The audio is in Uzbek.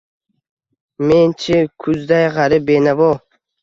Men-chi, kuzday gʼarib, benavo